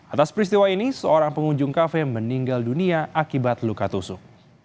atas peristiwa ini seorang pengunjung kafe meninggal dunia akibat luka tusuk